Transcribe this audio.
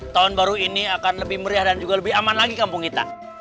tahun baru ini akan lebih meriah dan juga lebih aman lagi kampung kita